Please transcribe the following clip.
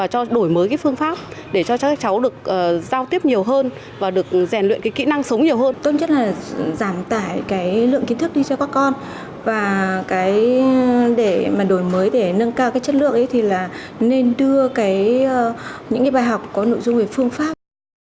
có nội dung về phương pháp